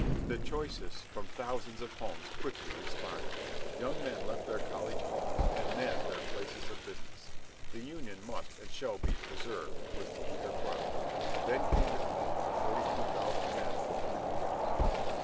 The choicest from thousands of homes quickly responded. Young men left their college halls and men their places of business. "The Union must and shall be preserved," was the eager cry. Then came the call for forty two thousand men for three years.